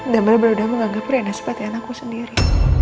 dan bener bener udah menganggap rina seperti anakku sendiri